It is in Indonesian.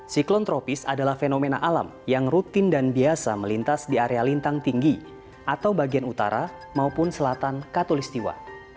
siklon tropis adalah fenomena alam yang rutin dan biasa melintas di area lintang tinggi atau bagian utara maupun selatan katolistiwa